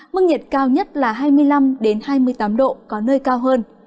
mức nhiệt cao nhất là hai mươi năm hai mươi tám độ có nơi cao hơn